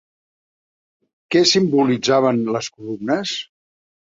Què simbolitzaven les columnes?